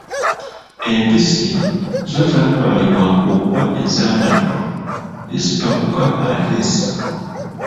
Empisi zo zatwalibwanga okuba ez’amaddu, ezipakuka ate ensilu.